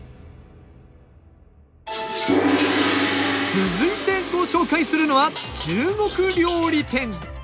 続いてご紹介するのは中国料理店。